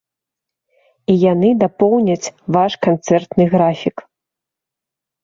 І яны дапоўняць ваш канцэртны графік.